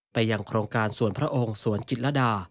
ไปยังโครงการสวนพระองค์สวนจิตรดา